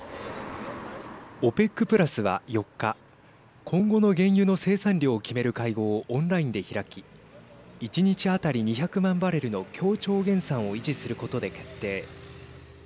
ＯＰＥＣプラスは４日今後の原油の生産量を決める会合をオンラインで開き１日当たり２００万バレルの協調減産を維持することで決定。